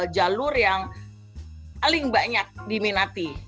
jalur yang paling banyak diminati